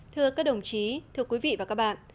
thưa các đồng chí thưa quý vị và các bạn